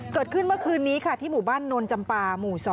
เกิดขึ้นเมื่อคืนนี้ค่ะที่หมู่บ้านนนจำปาหมู่๒